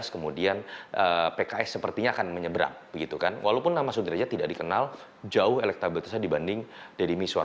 kemudian pks sepertinya akan menyeberang walaupun nama sudrajat tidak dikenal jauh elektabilitasnya dibanding deddy miswar